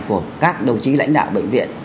của các đồng chí lãnh đạo bệnh viện